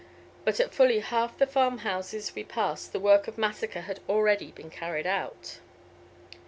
But at fully half the farmhouses we passed the work of massacre had already been carried out."